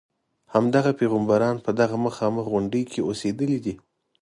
همدغه پیغمبران په دغه مخامخ غونډې کې اوسېدلي دي.